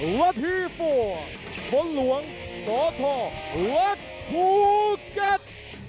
และที่๔บนหลวงสตเล็กพูเก็ต